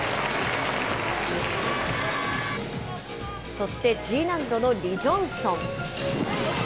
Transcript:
そしてＧ難度のリ・ジョンソン。